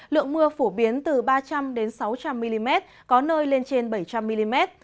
lượng mưa phổ biến từ ba trăm linh sáu trăm linh mm có nơi lên trên bảy trăm linh mm